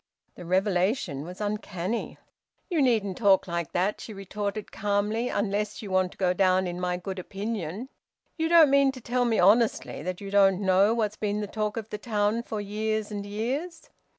The revelation was uncanny. "You needn't talk like that," she retorted calmly, "unless you want to go down in my good opinion. You don't mean to tell me honestly that you don't know what's been the talk of the town for years and years!"